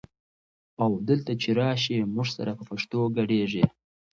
او دلته چې راشي موږ سره به په پښتو ګړېیږي؛